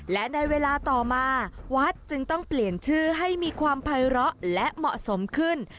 และในเวลาต่อมาวัดจึงต้องเปลี่ยนชื่อให้มีความภัยร้อและเหมาะสมขึ้น